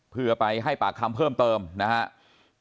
เพื่อไปให้ปากคำเพิ่มเติมนะครับ